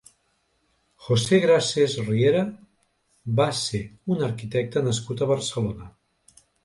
José Grases Riera va ser un arquitecte nascut a Barcelona.